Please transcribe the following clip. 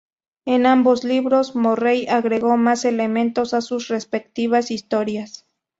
En ambos libros, Morrell agregó más elementos a sus respectivas historias.